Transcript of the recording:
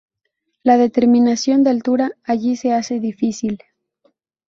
La determinación de altura allí se hace difícil.